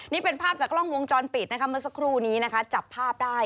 นี่เป็นภาพจากกล้องวงจรปิดนะคะเมื่อสักครู่นี้นะคะจับภาพได้